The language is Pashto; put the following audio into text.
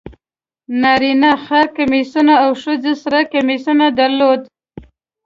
نارینه خر کمیسونه او ښځو سره کمیسونه درلودل.